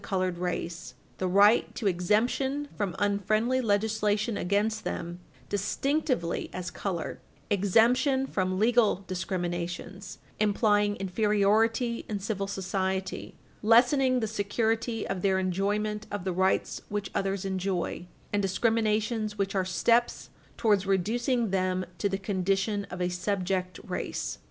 308 colored race the right to exemption from unfriendly legislation against them distinctively as colored exemption from legal discriminations, implying inferiority in civil society, lessening the security of their enjoyment of the rights which others enjoy, and discriminations which are steps towards reducing them to the condition of a subject race.